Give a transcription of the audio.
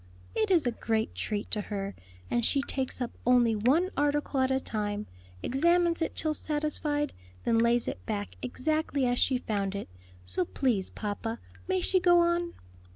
"It is a great treat to her; and she takes up only one article at a time, examines it till satisfied, then lays it back exactly as she found it. So please, papa, may she go on?"